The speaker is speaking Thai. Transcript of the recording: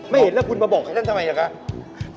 ไม่เห็นแล้วคุณมาบอกแค่นั้นทำไมล่ะครับ